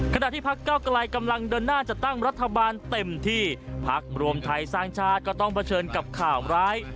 ขณะที่พักเก้าไกลกำลังเดินหน้าจะตั้งรัฐบาลเต็มที่พักรวมไทยสร้างชาติก็ต้องเผชิญกับข่าวร้าย